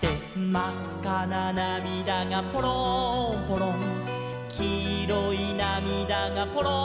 「まっかななみだがぽろんぽろん」「きいろいなみだがぽろんぽろん」